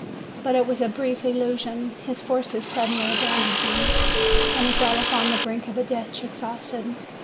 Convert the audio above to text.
But it was a brief illusion. His forces suddenly abandoned him, and he fell upon the brink of a ditch, exhausted.